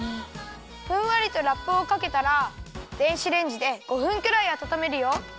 ふんわりとラップをかけたら電子レンジで５分くらいあたためるよ。